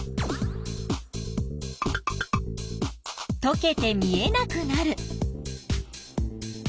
とけて見えなくなる。